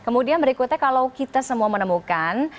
kemudian berikutnya kalau kita semua menemukan